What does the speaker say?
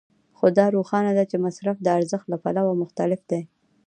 خو دا روښانه ده چې مصرف د ارزښت له پلوه مختلف دی